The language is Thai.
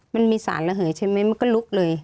มันมีสารระเหยใช่ไหมมันก็ลุกเลย